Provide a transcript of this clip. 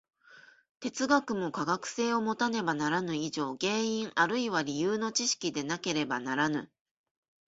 哲学も科学性をもたねばならぬ以上、原因あるいは理由の知識でなければならぬ。